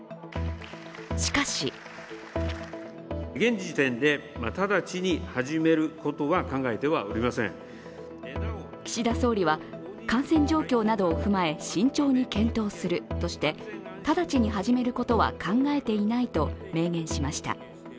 しかし岸田総理は、感染状況などを踏まえ慎重に検討するとして直ちに始めることは考えていないと明言しました。